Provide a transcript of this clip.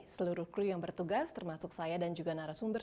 seluruh kru yang bertugas termasuk saya dan juga narasumber